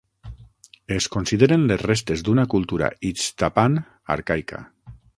Es consideren les restes d'una cultura Iztapan arcaica.